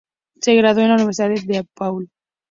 Se graduó en la Universidad DePaul.